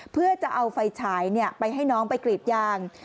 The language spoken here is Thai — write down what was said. เพื่อจะเอาไฟฉายไปให้น้องไปกรีดยาง